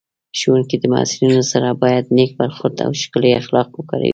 ښوونکی د محصلینو سره باید نېک برخورد او ښکلي اخلاق وکاروي